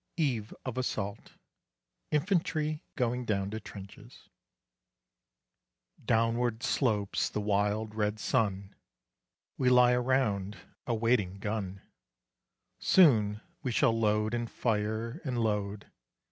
VIII. EVE OF ASSAULT: INFANTRY GOING DOWN TO TRENCHES Downward slopes the wild red sun. We lie around a waiting gun; Soon we shall load and fire and load.